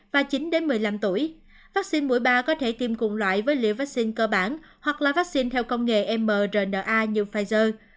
vaccine mũi ba có thể tiêm cùng loại với liều vaccine cơ bản hoặc là vaccine theo công nghệ mrna như pfizer